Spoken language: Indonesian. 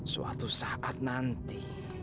suatu saat nanti